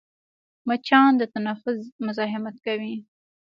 مچان د تنفس مزاحمت کوي